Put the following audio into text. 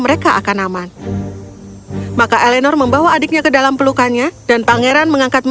eleanor berpikir sejenak dan menyadari bahwa menurutmu